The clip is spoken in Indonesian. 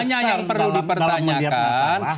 hanya yang perlu dipertanyakan